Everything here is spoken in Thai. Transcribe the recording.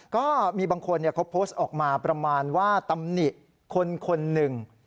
ก็มีบางคนเขาโพสต์ออกมาประมาณว่าตำหนิคนคนหนึ่ง